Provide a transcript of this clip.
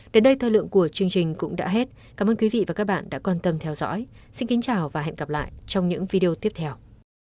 đến đây thời lượng của chương trình cũng đã hết cảm ơn quý vị và các bạn đã quan tâm theo dõi xin kính chào và hẹn gặp lại trong những video tiếp theo